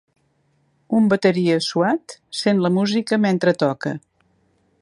Un bateria suat sent la música mentre toca.